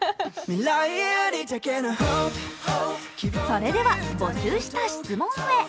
それでは募集した質問へ。